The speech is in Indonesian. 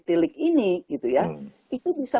tilik ini gitu ya itu bisa